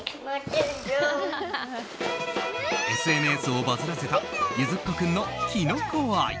ＳＮＳをバズらせたゆづっこ君のきのこ愛。